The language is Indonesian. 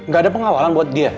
gak ada pengawalan buat dia